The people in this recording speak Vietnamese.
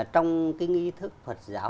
trong cái nghi thức phật giáo